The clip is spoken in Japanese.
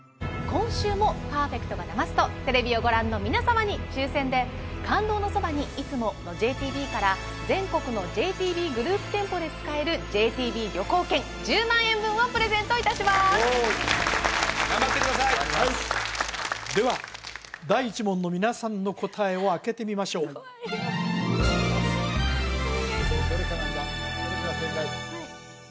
今週もパーフェクトが出ますとテレビをご覧の皆様に抽選で「感動のそばに、いつも。」のＪＴＢから全国のＪＴＢグループ店舗で使えるＪＴＢ旅行券１０万円分をプレゼントいたします頑張ってくださいでは第１問の皆さんの答えをあけてみましょう怖いよお願いします